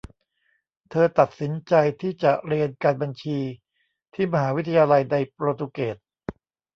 เธอตัดสินใจที่จะเรียนการบัญชีที่มหาวิทยาลัยในโปรตุเกส